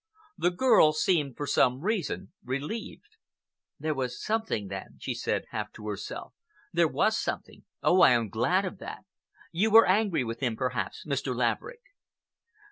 The girl seemed, for some reason, relieved. "There was something, then," she said, half to herself. "There was something. Oh, I am glad of that! You were angry with him, perhaps, Mr. Laverick?"